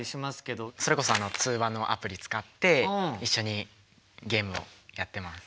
それこそ通話のアプリ使って一緒にゲームをやってます。